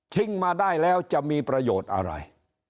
มาได้แล้วจะมีประโยชน์อะไร